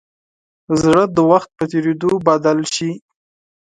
زړه د وخت په تېرېدو بدل شي.